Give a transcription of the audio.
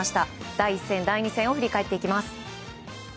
第１戦、第２戦を振り返っていきます。